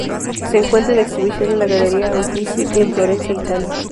Se encuentra en exhibición en la Galería Uffizi en Florencia, Italia.